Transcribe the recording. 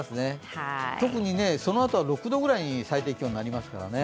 特にそのあとは６度ぐらいに最低気温、なりますからね。